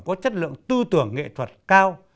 có chất lượng tư tưởng nghệ thuật cao